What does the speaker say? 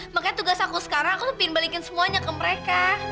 makanya tugas aku sekarang aku ingin balikin semuanya ke mereka